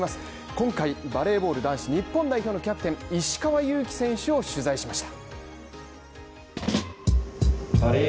今回、バレーボール男子日本代表のキャプテン石川祐希選手を取材しました。